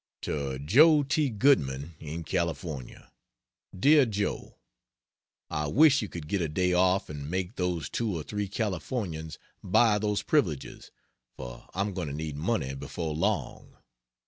To Joe T. Goodman, in California: DEAR JOE, ...... I wish you could get a day off and make those two or three Californians buy those privileges, for I'm going to need money before long.